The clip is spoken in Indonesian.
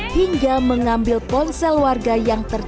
hingga mengambil ponsel warga yang terkenal